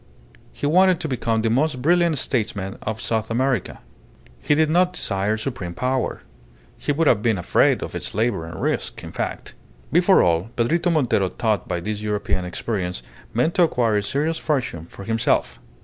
He wanted to become the most brilliant statesman of South America. He did not desire supreme power. He would have been afraid of its labour and risk, in fact. Before all, Pedrito Montero, taught by his European experience, meant to acquire a serious fortune for himself.